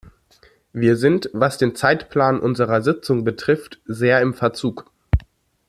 Wir sind, was den Zeitplan unserer Sitzung betrifft, sehr im Verzug.